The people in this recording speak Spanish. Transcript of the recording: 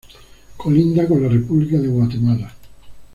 Colinda con la República de Guatemala.